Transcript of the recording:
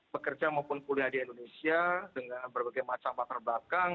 bekerja maupun pulih di indonesia dengan berbagai macam peterbakang